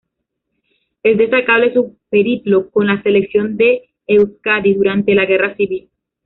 Es destacable su periplo con la Selección de Euzkadi durante la Guerra Civil.